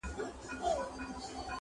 چي په وینو یې د ورور سره وي لاسونه٫